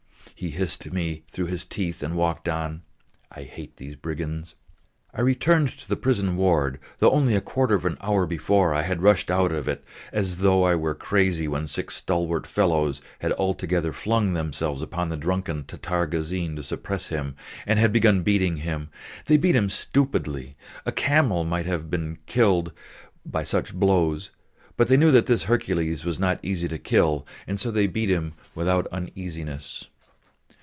_" he hissed to me through his teeth, and walked on. I returned to the prison ward, though only a quarter of an hour before I had rushed out of it, as though I were crazy, when six stalwart fellows had all together flung themselves upon the drunken Tatar Gazin to suppress him and had begun beating him; they beat him stupidly, a camel might have been killed by such blows, but they knew that this Hercules was not easy to kill, and so they beat him without uneasiness.